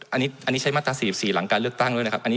อันนี้ใช้มาตรา๔๔หลังการเลือกตั้งด้วยนะครับ